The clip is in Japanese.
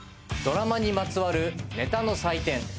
ドラマにまつわるネタの祭典。